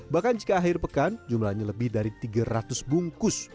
bahkan jika akhir pekan jumlahnya lebih dari tiga ratus bungkus